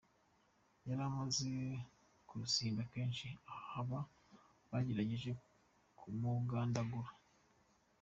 Yari amaze kurusimba kenshi, aho baba bagerageje kumugandagura.